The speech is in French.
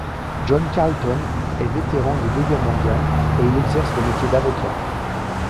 John Carleton est vétéran des deux guerres mondiales et il exerce le métier d'avocat.